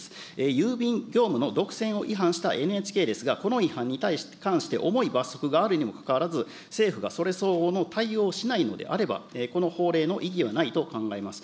郵便業務の独占を違反したＮＨＫですが、この違反に関して重い罰則があるにもかかわらず、政府がそれ相応の対応をしないのであれば、この法令の意義はないと考えます。